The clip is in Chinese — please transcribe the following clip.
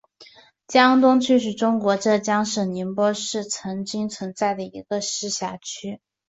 江东区是中国浙江省宁波市曾经存在的一个市辖区。